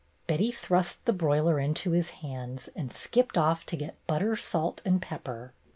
Betty thrust the broiler into his hands and skipped off to get butter, salt, and pepper.